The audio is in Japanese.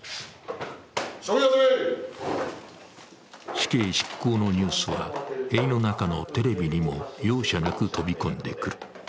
死刑執行のニュースは塀の中のテレビにも容赦なく飛び込んでくる。